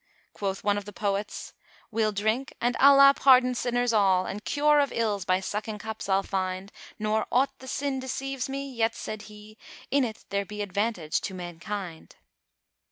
Quoth one of the poets, 'We'll drink and Allah pardon sinners all * And cure of ills by sucking cups I'll find: Nor aught the sin deceives me; yet said He * 'In it there be advantage[FN#419] to mankind.'"